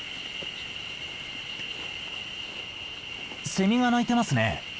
セミが鳴いてますね。